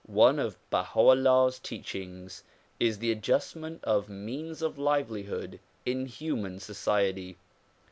One of Baha 'Ullah's teachings is the adjustment of means of livelihood in human society.